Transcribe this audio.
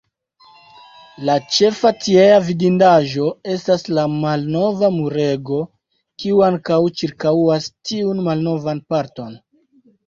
La ĉefa tiea vidindaĵo estas la malnova Murego, kiu ankoraŭ ĉirkaŭas tiun malnovan parton.